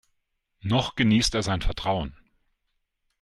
Noch genießt er sein Vertrauen.